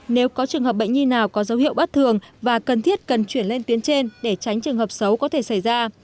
nếu có trường hợp bệnh nhi nào có dấu hiệu bất thường và cần thiết cần chuyển lên tuyến trên để tránh trường hợp xấu có thể xảy ra